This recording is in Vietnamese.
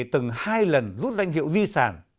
từng hai lần rút danh hiệu di sản